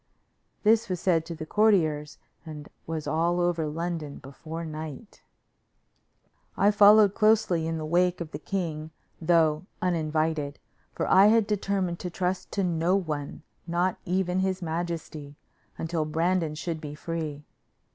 This was said to the courtiers, and was all over London before night. I followed closely in the wake of the king, though uninvited, for I had determined to trust to no one, not even his majesty, until Brandon should be free.